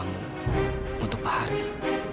untuk pak haris